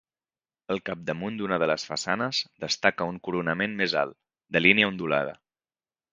Al capdamunt d'una de les façanes destaca un coronament més alt, de línia ondulada.